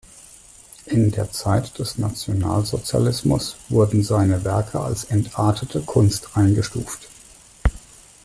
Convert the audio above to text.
In der Zeit des Nationalsozialismus wurden seine Werke als „Entartete Kunst“ eingestuft.